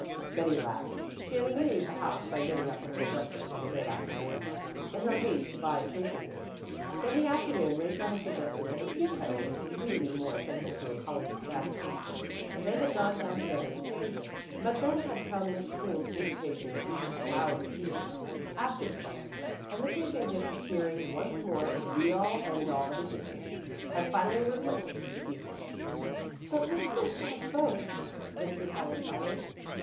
Betty laughed. She had amused the house by getting up before breakfast on the day after Nan left, in her haste to buy a chafing dish. In the afternoon Rachel had suggested that a teakettle was really more essential to a college establishment, and they had gone down together to change it. But then had come Miss King's invitation to eat "plowed field" after the frolic; and the chafing dish, appearing once more the be all and end all of existence, had finally replaced the teakettle. "But we're going to have both," ventured Helen shyly.